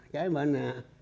trái bên nè